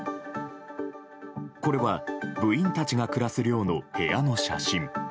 これは部員たちが暮らす寮の部屋の写真。